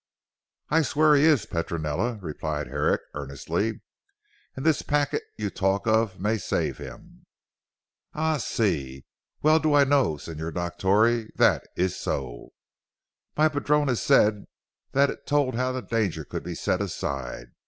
"I swear he is Petronella," replied Herrick earnestly, "and this packet you talk of may save him." "Ah si! Well do I know Signor Dottore that is so. My padrona said that it told how the danger could be set aside.